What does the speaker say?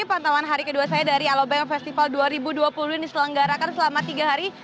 pantauan hari kedua saya dari alobank festival dua ribu dua puluh ini diselenggarakan selama tiga hari